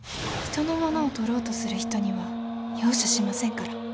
人のものをとろうとする人には容赦しませんから。